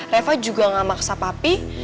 reva juga nggak maksa papi